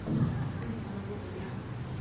为什么都不回家？